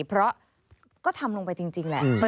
เพราะก็ทำลงไปจริงแหละ